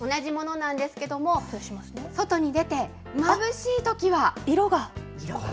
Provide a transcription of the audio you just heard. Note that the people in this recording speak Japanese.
同じものなんですけども、外に出てまぶしいときは。